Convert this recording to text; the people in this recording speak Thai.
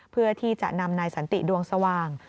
เพื่อที่จะนำนายสันติดวงสว่าง